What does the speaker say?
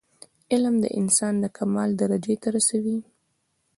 علم انسان د کمال درجي ته رسوي.